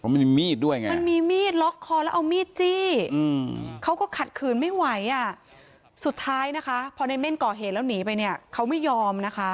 ไม่มีมีดด้วยไงมันมีมีดล็อกคอแล้วเอามีดจี้เขาก็ขัดขืนไม่ไหวอ่ะสุดท้ายนะคะพอในเม่นก่อเหตุแล้วหนีไปเนี่ยเขาไม่ยอมนะคะ